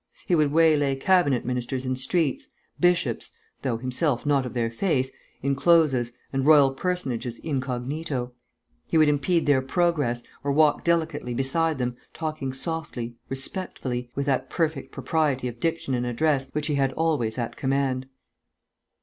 He would waylay cabinet ministers in streets, bishops (though himself not of their faith) in closes, and royal personages incognito. He would impede their progress, or walk delicately beside them, talking softly, respectfully, with that perfect propriety of diction and address which he had always at command.